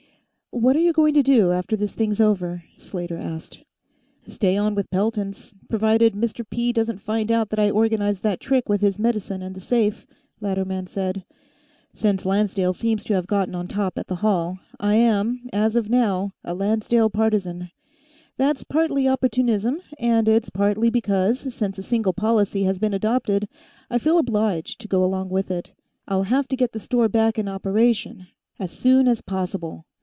"What are you going to do, after this thing's over?" Slater asked. "Stay on with Pelton's, provided Mr. P. doesn't find out that I organized that trick with his medicine and the safe," Latterman said. "Since Lancedale seems to have gotten on top at the Hall, I am, as of now, a Lancedale partisan. That's partly opportunism, and it's partly because, since a single policy has been adopted, I feel obliged to go along with it. I'll have to get the store back in operation, as soon as possible.